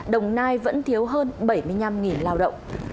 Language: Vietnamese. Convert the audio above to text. đồng nai vẫn thiếu hơn bảy mươi năm lao động